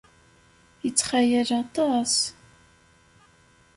Ittxayal aṭas.